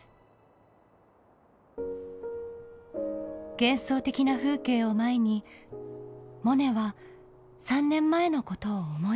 幻想的な風景を前にモネは３年前のことを思い出していました。